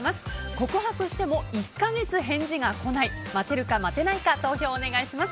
告白しても１か月返事が来ない待てるか待てないか投票をお願いします。